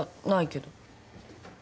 ないけど。